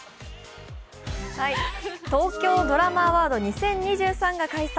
東京ドラマアウォード２０２３が開催。